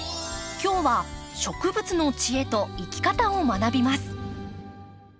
今日は植物の知恵と生き方を学びます。